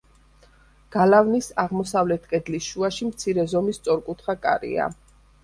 გალავნის აღმოსავლეთ კედლის შუაში მცირე ზომის სწორკუთხა კარია.